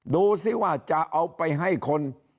ดูสิว่าจะเอาไปให้คน